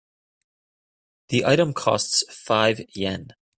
The item costs five Yen.